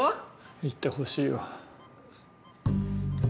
言ってほしいよ。